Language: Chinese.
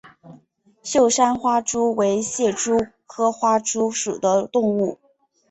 秀山花蛛为蟹蛛科花蛛属的动物。